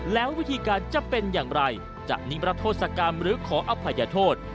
แล้ววิธีการจะเป็นอย่างไรจะนิมรัฐโทษกรรมหรือขออภัยโทษ